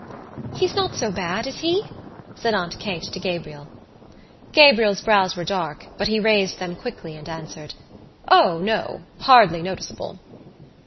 "He's not so bad, is he?" said Aunt Kate to Gabriel. Gabriel's brows were dark but he raised them quickly and answered: "O, no, hardly noticeable."